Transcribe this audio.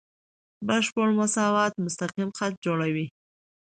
بشپړ مساوات مستقیم خط جوړوي.